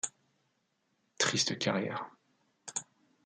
Triste carrière.